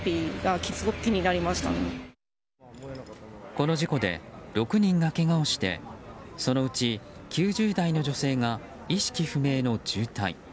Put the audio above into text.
この事故で６人がけがをしてそのうち９０代の女性が意識不明の重体